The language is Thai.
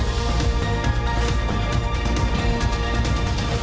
แต่เห็นท่านบอกว่าจะตั้งต้นอะไรก็แล้วแต่